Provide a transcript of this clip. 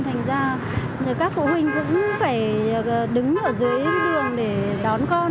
thành ra các phụ huynh cũng phải đứng ở dưới đường để đón con